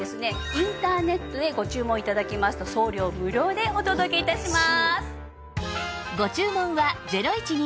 インターネットでご注文頂きますと送料無料でお届け致します。